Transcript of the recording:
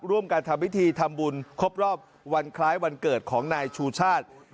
ร่วมกันทำพิธีทำบุญครบรอบวันคล้ายวันเกิดของนายชูชาติ